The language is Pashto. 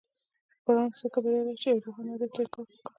بارنس ځکه بريالی شو چې يوه روښانه هدف ته يې کار وکړ.